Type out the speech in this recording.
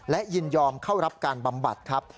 และยินยอมเข้ารับการบำบัดครับ